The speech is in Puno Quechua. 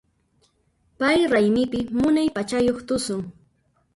Pay raymipi munay p'achayuq tusun.